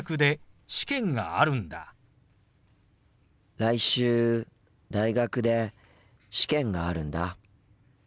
来週大学で試験があるんだ。